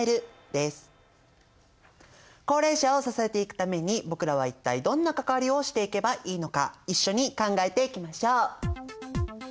高齢者を支えていくために僕らは一体どんな関わりをしていけばいいのか一緒に考えていきましょう。